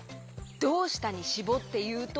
「どうした」にしぼっていうと？